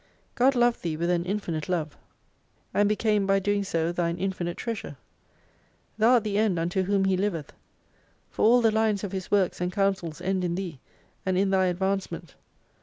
God loved thee with an infinite love, 5» and became by doing so thine infinite treasure. Thou art the end unto whom He liveth. For all the lines of His works and counsels end in thee, and in thy advancement.